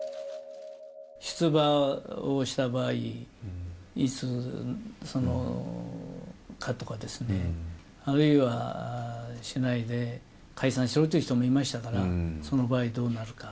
出馬をした場合、いつかとか、あるいはしないで解散しろという人もいましたから、その場合どうなるか。